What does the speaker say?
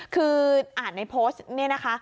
คืออ่านในโพสต์เนี่ยนะคะ